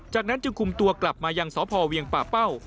จากนั้นจึงคุมตัวกลับมายังสพเวียงป่าเป้า